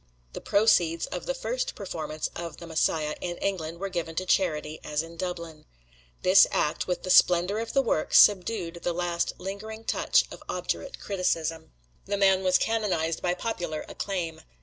The proceeds of the first performance of the "Messiah" in England were given to charity, as in Dublin. This act, with the splendor of the work, subdued the last lingering touch of obdurate criticism. The man was canonized by popular acclaim.